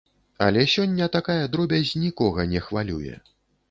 Але сёння такая дробязь нікога не хвалюе.